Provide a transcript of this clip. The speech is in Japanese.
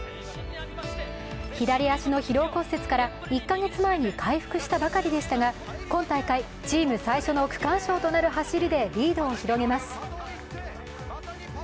左足の疲労骨折から１カ月前に回復したばかりでしたが、今大会チーム最初の区間賞となる走りでリードを広げます。